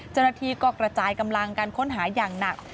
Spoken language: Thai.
เจ้าหน้าที่ก็กระจายกำลังการค้นหาอย่างหนัก